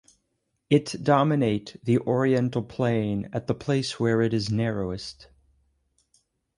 It dominate the oriental plain at the place where it is narrowest.